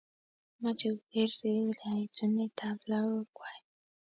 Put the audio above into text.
mache koker sigik kaetunet ab lagok kwai